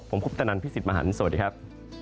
ผมคุณพุทธนันทร์พี่สิทธิ์มหันต์สวัสดีครับ